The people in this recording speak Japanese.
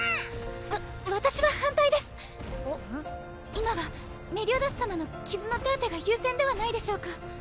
今はメリオダス様の傷の手当てが優先ではないでしょうか。